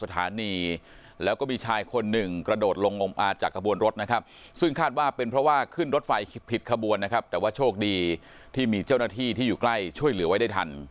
ที่มีเจ้าหน้าที่ที่อยู่ใกล้ช่วยเหลือไว้ได้ทัน